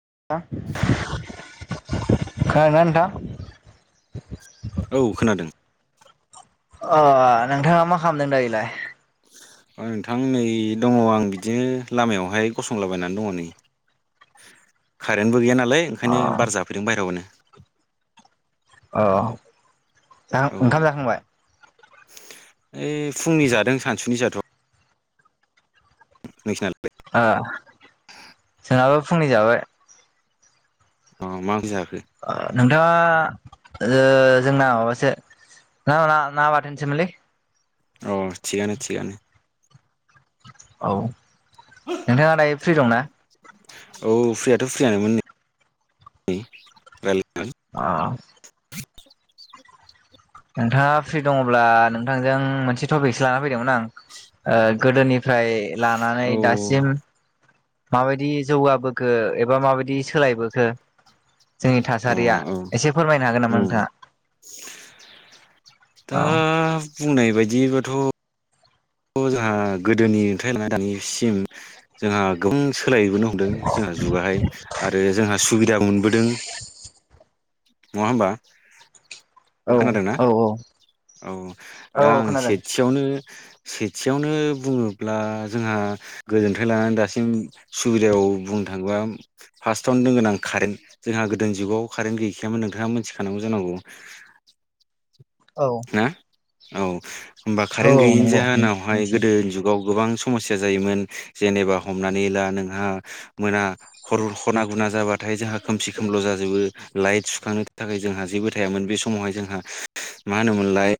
नोंथां खोनादोंना नोंथां? औ खोनादों। अ नोंथाङा मा खालामदों दायोलाय? ओ नोंथां नै दङ आं बिदिनो लामायावहाय गसंलाबायनानै दङ नै। कारेन्बो गैया नालाय अ ओंखायनो बार जाफैदों बायाहेरायावनो। अ ज औ ओंखाम जाखांबाय? ओइ फुंनि जादों सानसुनि जाथ नोंसिनालाय? ओ जोंहाबो फुंनि जाबाय। ओ मा ओंख्रि जाखो? ओ नोंथाङा ओ जोंना माबासो ना ना बाथोनसैमोनलै। अ थिकआनो थिकआनो। औ नोंथाङा दायो फ्रि दंना? औ फ्रियाथ' फ्रियानोमोन नै रायलाय अ नोंथाङा फ्रि दङब्ला नोंथांजों मोनसे टपिकसो लाना फैदोंमोन आं ओ गोदोनिफ्राय लानानै औ दासिम माबायदि जौगाबोखो एबा माबायदि सोलायबोखो जोंनि अ थासारिया औ एसे फोरमायनो हागोन नामा उम नोंथाङा दा औ बुंनाय बायदिब्लाथ' जोंहा गोदोनिफ्राय ना दानिसिम जोंहा गोबां सोलायबोनो हमदों जोंहा जुगाहाय आरो जोंहा सुबिदा सुबिदादा मोनबोदों नङा होमबा औ खोनादोंना औ औ औ दा आं खोनादों सेथियावनो सेथियावनो बुङोब्ला जोंहा गोजोननिफ्राय लानानै दासिम सुबिदायाव बुं थाङोबा फार्स्टआवनो दोनगोन आं कारेन्ट जोंहा गोदो जुगाव कारेन्ट गैखायामोन नोंथाङा मोनथिखानांगौ जानांगौ औ औ औ होमबा औ कारेन्ट औ गैयिनि नंगौ जाहोनावहाय मिथियो गोदो जुगाव गोबां समस्या जायोमोन जेनेबा हमनानै ला नोंहा मोना हरना गुर जाबाथाय जोंहा खोमसि खोमलाव जाजोबो लाइट सुखांनो थाखाय जोंहा जेबो थायामोन बे समावहाय जोंहा मा होनोमोनलाय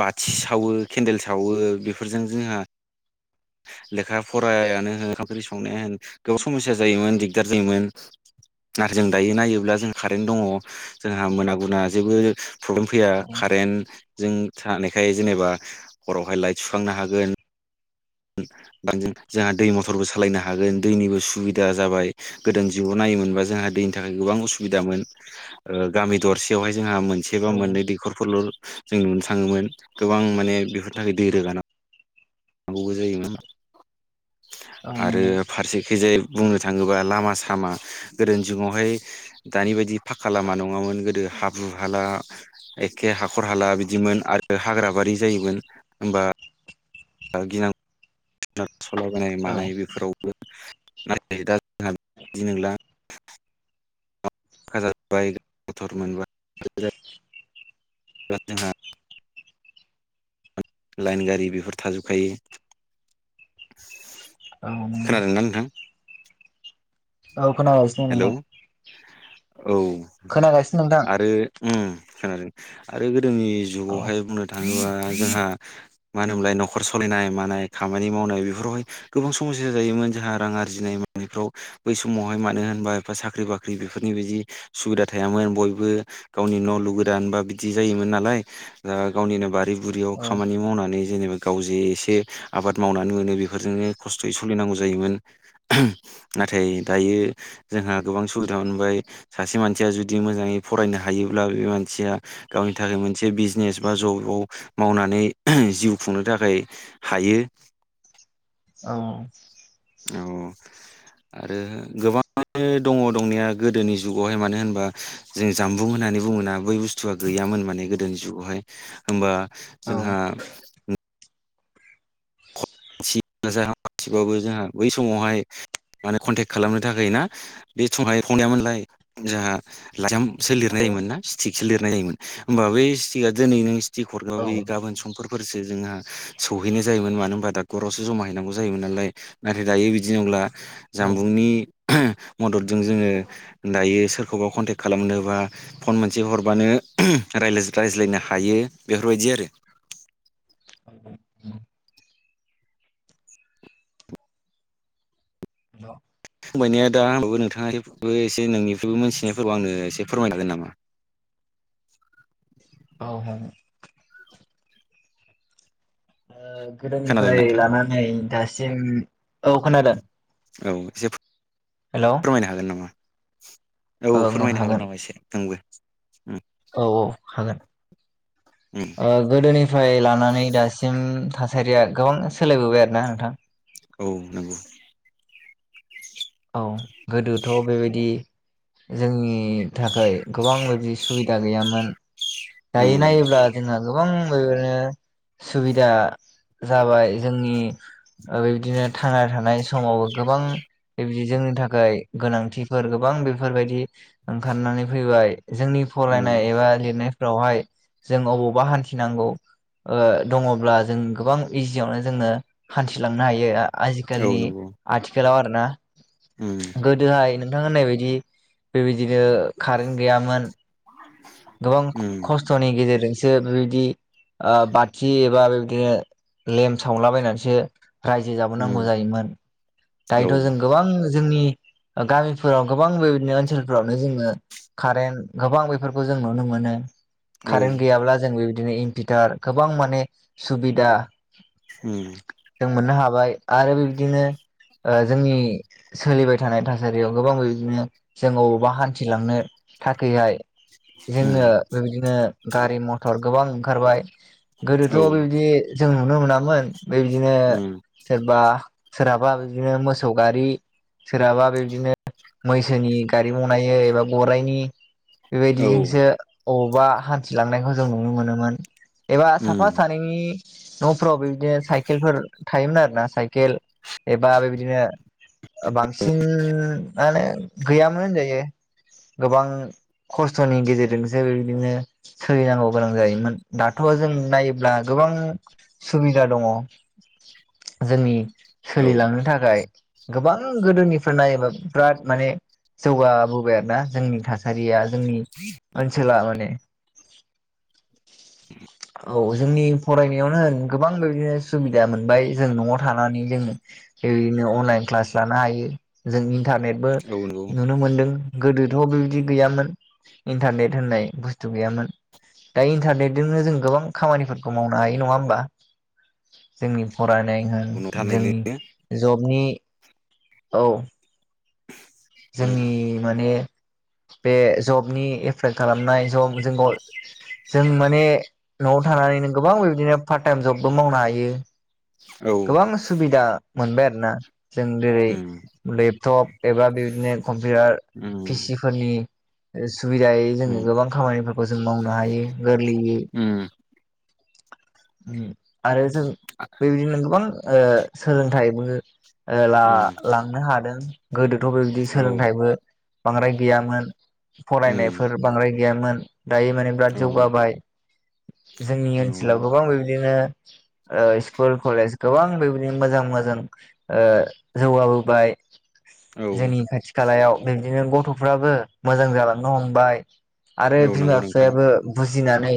बाथि सावो केन्देल सावो बेफोरजों जोंहा लेखा फरायानो होन ओंखाम ओंख्रि संनायानो होन गोबाव समस्या जायोमोन दिग्दार जायोमोन नाथाय जों दायो नायोब्ला जों कारेन्ट दङ जोंहा मोना गुना जेबो प्रब्लेम फैया औ कारेन्ट जों थानायखाय जेनेबा हरावहाय लाइट सुखांनो हागोन जोंहा दै मथरबो सालायनो हागोन दैनिबो सुबिदा जाबाय गोदो जुगाव नाय जोंहा दैनि थाखाय गोबां उसुदामोन जोंहा मोनसे बा औ मोननै दैखरफोरल' जों नुनो थाङोमोन गोबां माने बेफोरनि थाखाय दै रोगानां जायोमोन औ आरो नंगौ फारसेखैजाय बुंनो थाङोबा लामा सामा गोदोनि जुगावहाय दानि बायदि फाक्का लामा नङामोन गोदो हाब्रु हाला एखे हाखर हाला बिदिमोन आरो हाग्राबारि जायोमोन होमबा गिनां सलायबोनाय औ मानाय बेफोरावबो नाथाय दा जोंहा बिदि नोंला जाजोबबाय मथर मोनबाय जोंहा लाइन गारि बिफोर थाजोबखायो औ नंगौ खोनादोंना नोंथां औ खोनायगासिनो हेलौ नोंथां औ खोनागासिनो नोंथां आरो खोनादों आरो गोदोनि औ जुगावहाय बुंनो थाङो थाङोबा जोंहा मा होनोमोनलाय न'खर साललिनाय मानाय खामानि मावनाय बेफोरावहाय गोबां समयसा जायोमोन जोंहा रां आरजिनाय मानायफ्राव बै समावहाय मानो होनो साख्रि बाख्रि बेफोरनि बिदि सुबिदा थायामोन बयबो गावनि न' लुगोदान बा बिदि नालाय गावनिनो बारि बुरियाव औ खामानि मावनानै जेनेबा गाव जे एसे आबाद मावनानै मोनो बेफोरजोंनो खस्थ'यै सोलिनांगौ जायोमोन नाथाय दायो जोंहा गोबां सुबिदा मोनबाय सासे मानसिया जुदि मोजाङै फरायनो हायोब्ला बे मानसिया गाव नि थाखाय मोनसे बिजनेस बा जबाव मावनानै जिउ खुंनो थाखाय हायो औ औ औ आरो गोबां दङ दंनाया गोदोनि जुगावहाय मानो होनबा जों जामबुं होननानै बुङोना बै बुस्थुआ गैया मोन‌ माने गोदोनि जुगावहाय होनबा जोंहा मानसि [unintelligible] बाबो जोंहा बै समावहाय माने कन्टेक्ट खालामनो थाखाय ना बे संहाय [unintelligible] मोनलाय जोंहा लाइजामसो लिरनाय मोन‌ ना सिटिक लिरनाय जायोमोन होमबा बै सिटिकआ दिनै नों सिटिक हरबा औ गाबोन समफोर फोरसो जोंना सौहैनाय जायोमोन मानो होनबा दा खरावसो जमा हैैनांगौ जायोमोन नालाय नाथाय दायो बिदि नंला जामबुंनि मददजों जोङो दायो सोरखौबा कन्टेक्ट खालामनोबा फन मोनसे हरबानो रायलायनो रायज्लायनो हायो बेफोर बायदि आरो । [inaudible] फंबायनाया दा होमबाबो नोंथाङा एबो एसे नोंनिखफ्रायबो मोनथिनायफोरबो आंनो एसे फोरमायनो हागोन नामा? औ औ खोनादोंना गोदोनिफ्राय नोंथां लानानै दासिम औ खोनादों । औ एसे फो फोरमायनो हागोन नामा? औ ओं ओं फोरमायनो हागोन नामा एसे नोंबो? उम औ औ हागोन उम ओ गोदोनिफ्राय लानानै दासिम था थासारिया गोबां सोलायबोबाय आरो ना नोंथां । औ नंगौ औ गोदोथ' बे बायदि जोंनि थाखाय गोबां बिदि सुबिदा गैयामोन । उम दायो नायोब्ला जोंहा गोबां ओ बेबायनो सुबिदा जाबाय जोंनि ओ बे बदिनो थांना थानाय समावबो गोबां बि जोंनि थाखाय गोनांथिफोर गोबां बेफोर बायदि ओंखारनानै फैबाय जोंनि उम फरायनाय एबा लिरनायफ्रावहाय जों अबावबा हान्थिनांगौ ओ दंङ ब्ला जों गोबां इजियावनो जोङो हान्थिलांनो हायो आजि औ खालनि नंगौ आथिखालाव आरोना उम गोदोहाय नोंथां होननाय बायदि बे बायदिनो कारेन्ट गैयामोन गोबां उम खस्थ'नि गेजेर सो बे बायदि ओ बाथि एबा बे बायदिनो लेम सावला बायनानैसो रायजो जाबोनांगौ उम जायोमोन औ दायोथ' जों गोबां जोंनि गामिफोराव गोबां बे बायदिनो ओनसोलफोरावनो जोङो कारेन्ट गोबां बे फोरखौ जों नुनो मोनो औ खारें गैया ब्ला‌ जों बिदिनो इनफिटार गोबां माने सुबिदा उम जों मोननो हाबाय आरो बिबदिनो ओ जोंनि सोलिबाय थानाय थासारियाव गोबां बिदिनो जों बबावबा हान्थिलांनो थाखायहाय जोङो उम बे बायदिनो गारि मथर गोबां ओंखारबाय गोदोथ' औ बे बायदि जों नुनो मोनामोन बे बायदिनो उम सोरबा सोरहाबा बिदिनो मोसौ गारि सोरहाबा बिदिनो मैसोनि गारि बनायो एबा गराइनि बे औ बायदिजोंसो बबावबा हान्थिलांनायखौ जों नुनो मोनोमोन । एबा साफा उम सानैनि न'फोराव बेदिनो साइकेलफोर थायोमोन आरोना साइकेल एबा बे बायदिनो बांसिन माने गैयामोन होनजायो गोबां खस्थ'नि गेजेरजोंसो बे बायदिनो सोलिनांगौ गोनां जायोमोन दाथ' जों नायोब्ला गोबां गोबां सुबिदा दङ जोंनि औ सोलिलांनो थाखाय । गोबां गोदोनिफ्राय नायोबा बिराद माने जौगाबोबाय आरोना जोंनि थासारिया। जोंनि ओनसोला माने। औ जोंनि फरायनायावनो होन गोबां बेदिनो सुबिदा मोनबाय जों न'आव थानानै जोंनो बेदिनो अनलाइन क्लास लानो हायो जों इन्टारनेटबो नंगौ नुनो मोनदों। गोदोथ' बेबायदि गैयामोन इन्टारनेट होननाय बुस्थु गैयामोन। दा इन्टारनेटजोंनो जों गोबां खामानिफोरखौ मावनो हायो नङा होमबा जोंनि फरायनाय होन उनाव थारैनो जोंनि जबनि औ। उम जोंनि माने बे जबनि एप्लाइ खालामनाय जब जोंखौ जों माने न'आव थानानैनो गोबां बिदिनो पार्ट टाइम जबबो मावनो हायो। औ गोबां सुबिदा मोनबाय आरोना। जों जेरै उम लेपटप एबा बेबायदिनो कम्पिउटार उम पिसि फोरनि सुबिदायै जोङो उम गोबां खामानिफोरखौ जों मावनो हायो गोरलैयै। उम आरो जों बेबादिनो‌ गोबां ओ सोलोंथाइबो ओ दा लांनो हादों गोदोथ' बे औ उम सोलोंथाइबो बांद्राय गैयामोन फरायनायफोर बांद्राय गैयामोन। दायो माने बिराद औ जौगाबाय जोंनि ओनसोलाव गोबां बेबदिनो ओ स्कुल कलेज गोबां बेबायदि मोजां मोजां जौगाबोबाय। औ। लायाव बिदिनो गथ'फ्राबो मोजां जालांनो हमबाय। आरो औ बिमा नंगौ नोंथां बिफायाबो बुजिनानै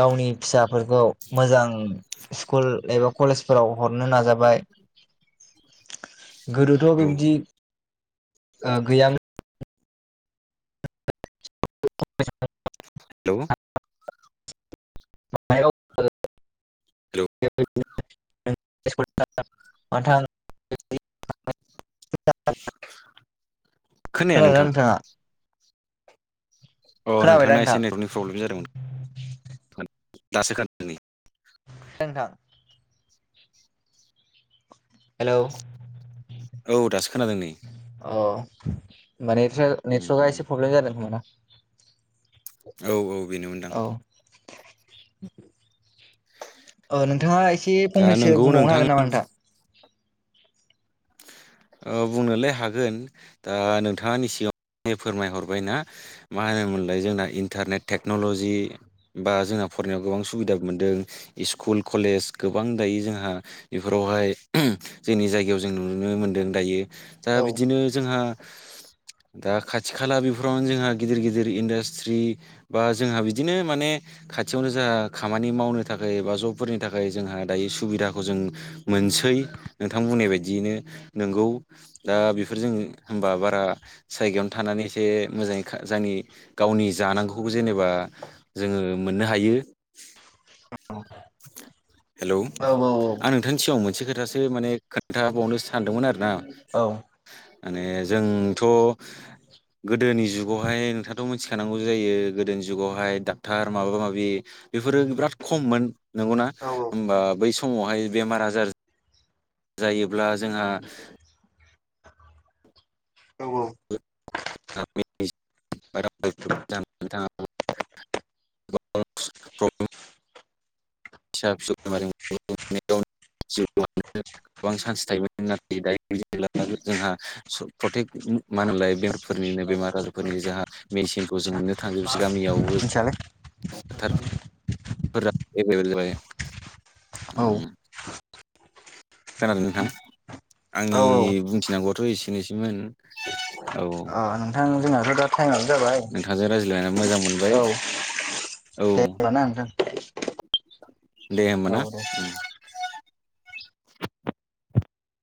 गावनि फिसाफोरखौ मोजां स्कुल एबा कलेजफोराव हरनो नाजाबाय। गोदोथ' औ बिबदि गैयामोन। हेल' म हेलौ [unintelligible] थ [unintelligible] खोनाया खोनादोंना नोंथां नोंथाङा? अ खोनाबायना नोंथांना नोंथां एसे नेटनि एसे प्रब्लेम जादोंमोन। दासो खोनादों‌ नै। सोंथां। हेलौ औ दासो खोनादों नै। अ माने नेट्रका उम एसे प्रब्लेम जादों खोमादां। औ औ बेनोमोनदां। औ [unintelligible] ओ नोंथाङा एसे दा फंनैसो नोंगौ बुंबावनो हागोन नामा नोंथां? ओ बुंनोलाय हागोन दा नोंथाङानि सिगाङाव फोरमाय हरबायना मा होनोमोनलाय जोंना इन्टारनेट टेक्न'ल'जि बा जोंना फरायनायाव गोबां सुबिदा मोनदों स्कुल कलेज गोबां दायो जोंहा बेफोरावहाय जोंनि जायगायाव जों नुनो मोनदों दायो दा औ बिदिनो जोंहा [unintelligible] दा खाथि खाला बेफोरावनो जोंहा गिदिर गिदिर इन्डास्ट्रि बा जोंहा बिदिनो माने खाथियावनो जोंहा खामानि मावनो थाखाय बा जबफोरनि थाखाय जोंहा दायो सुबिदाखौ जों मोन सै नोंथां बुंनाय बायदियैनो। नंगौ दा बेफोरजों होनबा बारा जायगायावनो थानानै एसे मोजाङै जोंनि गावनि जानांगौखौ जेनेबा जोङो मोननो हायो। हेलौ औ औ आं नोंथांनि सिगाङाव मोनसे खोथा खोथासो माने खोन्थाबावनो सानदोंमोन आरो ना। औ। माने जोंथ' गोदोनि जुगावहाय नोंथाङाथ' मिथि थानांगौ जायो गोदोनि जुगावहाय डाक्टार माबा माबि बेफोरो बिराद खममोन। नंगौना औ होमबा बै समावहाय बेमार आजार जायोब्ला जोंहा औ [inaudible] [inaudible] फिसा फिसौ बेम गोबां चान्स थायोमोन नाथाय दायो जेने जोंहा प्रटेकट मा होनोमलाय बेमारफोरनिनो बेमार आजारफोरनि जोंहा मेडिसिनखौ औ जों नुनो थांजोबसै गामियावबो। मिथियालै टार फोर एभेलेल जायो। औ। खोनादों नोंथाह आंनि औ औ बुंथिनांगौआथ' एसेनोसैमोन। औ अ नोंथां जोंनाथ' दा टाइमानो जाबाय नोंथांजों रायज्लायनानै मोजां मोनबाय औ। औ देबाना नोंथो। दे होमबा ना।